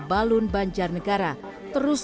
balun banjar negara terus